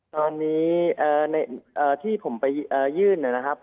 ตอนนี้ที่ผมไปยื่นนะครับ